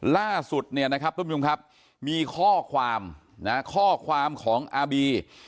ล่าสุดเนี่ยนะครับทุกผู้ชมครับมีข้อความข้อความของอาบี